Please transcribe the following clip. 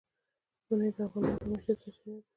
منی د افغانانو د معیشت سرچینه ده.